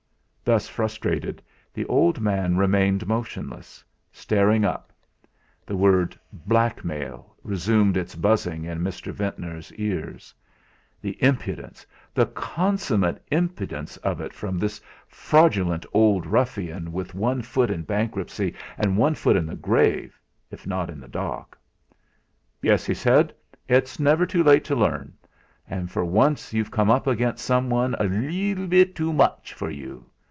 Thus frustrated, the old man remained motionless, staring up. The word "blackmail" resumed its buzzing in Mr. Ventnor's ears. The impudence the consummate impudence of it from this fraudulent old ruffian with one foot in bankruptcy and one foot in the grave, if not in the dock. "Yes," he said, "it's never too late to learn; and for once you've come up against someone a leetle bit too much for you.